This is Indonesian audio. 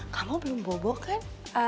kamu belum bobo kan